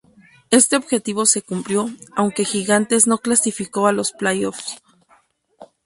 Este objetivo se cumplió, aunque Gigantes no clasificó a los playoffs.